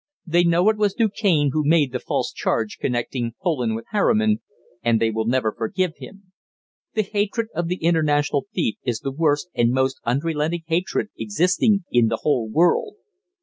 They know it was Du Cane who made the false charge connecting Poland with Harriman, and they will never forgive him. The hatred of the international thief is the worst and most unrelenting hatred existing in the whole world.